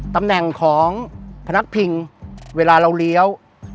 ตำแหน่งของพนักพิงเวลาเราเลี้ยว